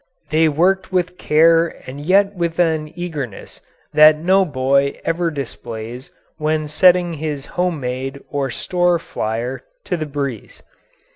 They worked with care and yet with an eagerness that no boy ever displays when setting his home made or store flyer to the breeze.